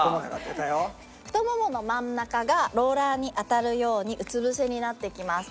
太ももの真ん中がローラーに当たるようにうつぶせになっていきます。